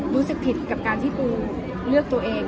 รู้สึกผิดกับการที่ปูเลือกตัวเอง